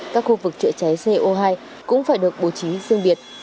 các khu vực chữa cháy co hai cũng phải được bổ trí xương biệt